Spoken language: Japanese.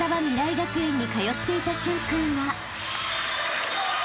学園に通っていた駿君は］